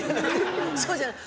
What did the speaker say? そうじゃない。